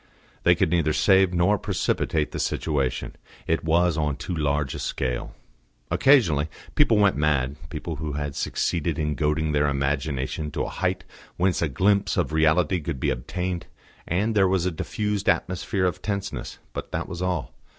They could neither save nor precipitate the situation; it was on too large a scale. Occasionally people went mad people who had succeeded in goading their imagination to a height whence a glimpse of reality could be obtained; and there was a diffused atmosphere of tenseness. But that was all.